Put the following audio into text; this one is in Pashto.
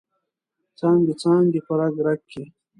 څانګې، څانګې په رګ، رګ کې